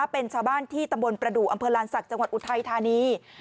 เป็นชาวบ้านที่ตำบลประดูกอำเภอลานศักดิ์จังหวัดอุทัยธานี